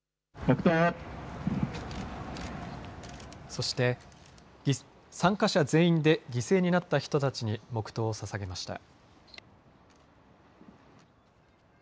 そして参加者全員で犠牲になった人たちに黙とうをささげました。